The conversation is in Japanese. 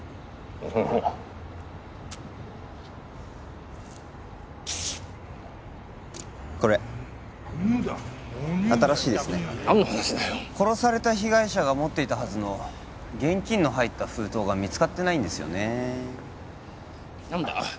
おおこれ新しいですね何の話だよ殺された被害者が持っていたはずの現金の入った封筒が見つかってないんですよねー何だ？